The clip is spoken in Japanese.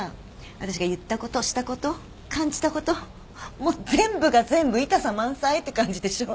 私が言ったことしたこと感じたこともう全部が全部痛さ満載って感じでしょ？